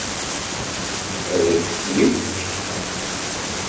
Ad k-t-yefk?